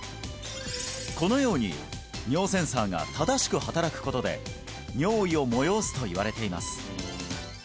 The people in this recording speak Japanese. このように尿センサーが正しく働くことで尿意を催すといわれています